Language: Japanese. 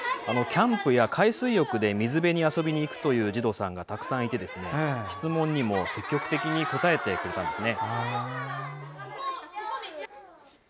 キャンプや海水浴で水辺に遊びに行くという児童さんがたくさんいて質問にも積極的に答えてくれたんです。